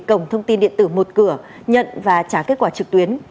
cổng thông tin điện tử một cửa nhận và trả kết quả trực tuyến